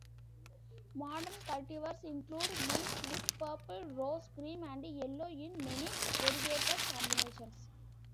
Modern cultivars include leaves with purple, rose, cream, and yellow in many variegated combinations.